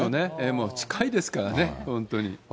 もう近くですからね、本当に。